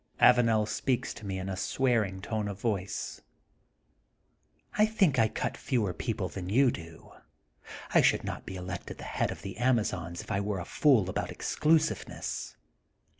Avanel speaks to me in a swearing tone of voice: I think I cut fewer people than you do. I should not be elected the head of the Amazons if I were a fool about exclusiveness.